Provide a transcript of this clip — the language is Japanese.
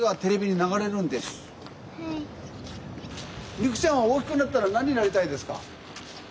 美来ちゃんは大きくなったら何になりたいですか？